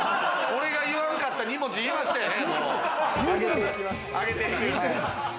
俺が言わんかった２文字いいましたよね？